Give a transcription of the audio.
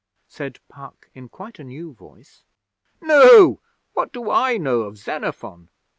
said Puck, in quite a new voice. 'No! What do I know of Xenophon?